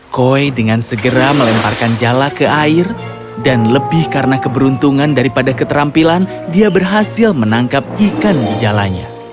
koi dengan segera melemparkan jala ke air dan lebih karena keberuntungan daripada keterampilan dia berhasil menangkap ikan di jalannya